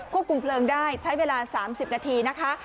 ควบคุมเปลืองได้ใช้เวลาสามสิบนาทีนะคะ